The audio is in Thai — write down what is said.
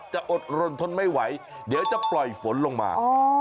อดรนทนไม่ไหวเดี๋ยวจะปล่อยฝนลงมา